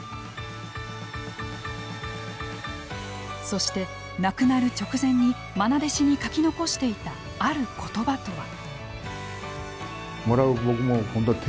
そして、亡くなる直前にまな弟子に書き残していたある言葉とは。